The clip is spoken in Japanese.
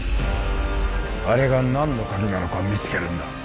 あれが何の鍵なのか見つけるんだ